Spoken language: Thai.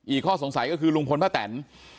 ข้อสงสัยก็คือลุงพลป้าแตน